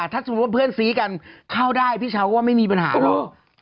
ถ้าสมมุติว่าเพื่อนซี้กันเข้าได้พี่เช้าก็ไม่มีปัญหาหรอก